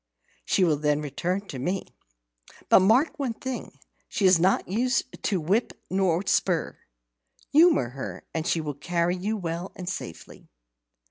She will then return to me. But mark one thing, she is not used to whip or spur. Humour her, and she will carry you well and safely."